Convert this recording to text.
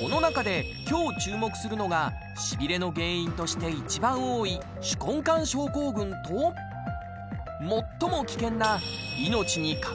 この中で、今日注目するのがしびれの原因として一番多い手根管症候群と最も危険な、命に関わる脳卒中。